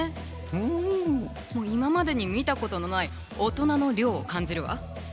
今までに見たことのない大人の諒を感じるわ。